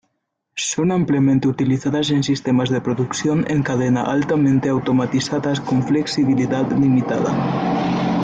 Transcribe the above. Son ampliamente utilizadas en sistemas de producción en cadena altamente automatizados con flexibilidad limitada.